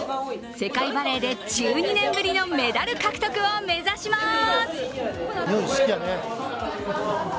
世界バレーで１２年ぶりのメダル獲得を目指します。